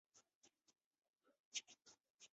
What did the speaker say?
此后从事教员。